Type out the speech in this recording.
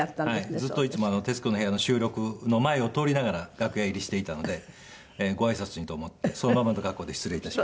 ずっといつも『徹子の部屋』の収録の前を通りながら楽屋入りしていたのでご挨拶にと思ってそのままの格好で失礼致しました。